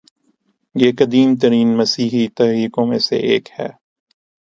یہ قدیم ترین مسیحی تحریکوں میں سے ایک ہے